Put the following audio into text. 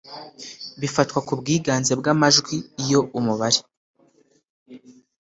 bifatwa ku bwiganze bw amajwi iyo umubare